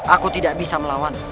aku tidak bisa melawan